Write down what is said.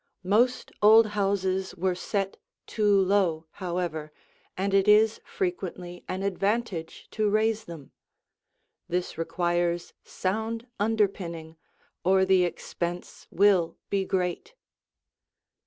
Most old houses were set too low, however, and it is frequently an advantage to raise them. This requires sound underpinning, or the expense will be great.